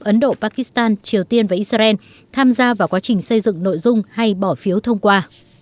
ấn độ pakistan triều tiên và israel tham gia vào quá trình xây dựng nội dung hay bỏ phiếu thông qua